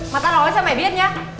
mà tao nói cho mày biết nhé